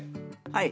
はい。